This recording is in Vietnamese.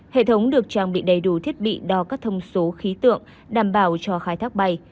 hệ thống được trang bị đầy đủ thiết bị đo các thông số khí tượng đảm bảo cho khai thác bay